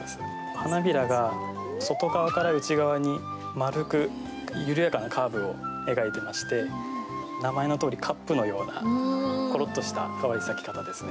花びらが外側から内側に丸く緩やかなカーブを描いておりまして名前のとおりカップのようなコロッとした可愛い咲き方ですね。